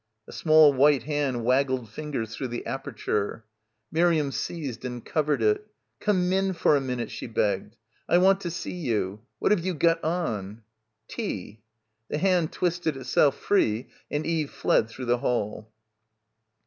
A small white hand waggled fingers through the aperture. Miriam seized and covered it. "Come in for a minute," she begged. *I want to see you. What have you got on?" "Tea." The hand twisted itself free and Eve fled through the hall.